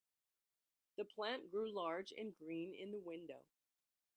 The plant grew large and green in the window.